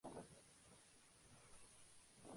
Sargent es conocido como un maestro dedicado.